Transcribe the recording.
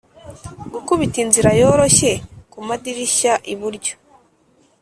gukubita inzira yoroshye kumadirishya iburyo